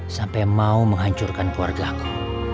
sampai mau menghancurkan keluarga aku